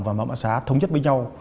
và mạng mạng xá thống nhất với nhau